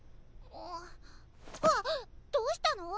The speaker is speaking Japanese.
ハッどうしたの？